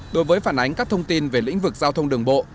đối với phản ánh các thông tin về lĩnh vực giao thông đường bộ